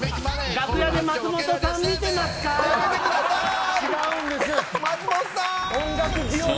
楽屋で松本さん見てますか。